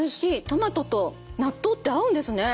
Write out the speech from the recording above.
トマトと納豆って合うんですね！